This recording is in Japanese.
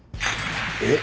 えっ？